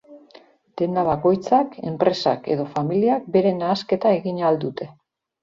Denda bakoitzak, enpresak, edo familiak beren nahasketa egin ahal dute.